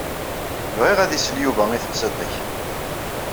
Bɣiɣ ad isel Yuba i teqsiṭ-ik.